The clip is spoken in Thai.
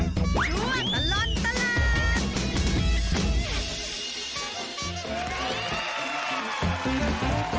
ชั่วตะล็อตตะหลัง